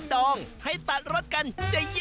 โรงโต้งคืออะไร